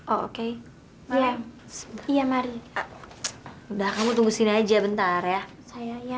oh oke ya iya mari udah kamu tunggu sini aja bentar ya saya ya